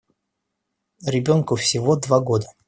Ребенку всего два года.